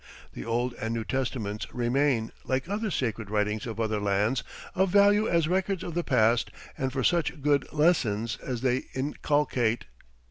The Old and New Testaments remain, like other sacred writings of other lands, of value as records of the past and for such good lessons as they inculcate.